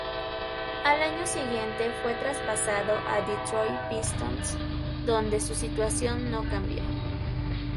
Al año siguiente fue traspasado a Detroit Pistons, donde su situación no cambió.